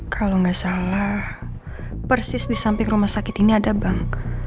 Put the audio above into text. kalau nggak salah persis di samping rumah sakit ini ada bank